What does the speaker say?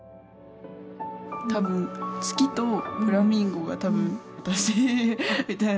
多分月とフラミンゴが多分私みたいな。